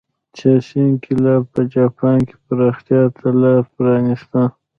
سیاسي انقلاب په جاپان کې پراختیا ته لار پرانېسته.